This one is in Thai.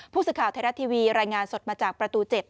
ผู้สื่อข่าวไทยรัฐทีวีรายงานสดมาจากประตู๗